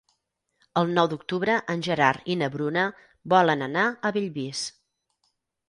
El nou d'octubre en Gerard i na Bruna volen anar a Bellvís.